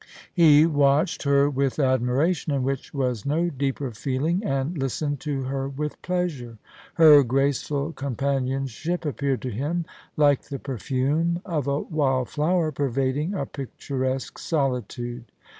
He watched 124 POLICY AND PASSION. her with admiration in which was no deeper feeling, and listened to her with pleasure. Her graceful companionship appeared to him like the perfume of a wild flower pervading a picturesque solitude.